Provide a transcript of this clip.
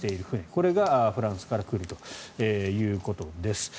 これがフランスから来るということです。